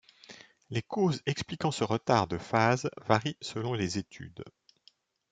Les causes expliquant ce retard de phase varient selon les études.